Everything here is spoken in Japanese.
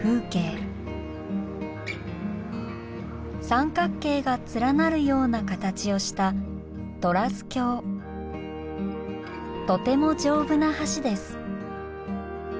三角形が連なるような形をしたとてもじょうぶな橋です。